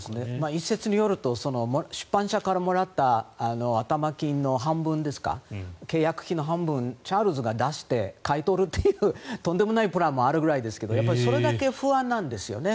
一説によると出版社からもらった頭金の半分ですか契約金の半分チャールズが出して買い取るというとんでもないプランもあるぐらいですけどそれだけ不安なんですよね。